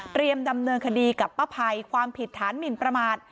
ดำเนินคดีกับป้าภัยความผิดฐานหมินประมาท